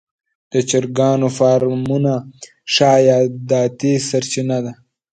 د چرګانو فارمونه ښه عایداتي سرچینه ده.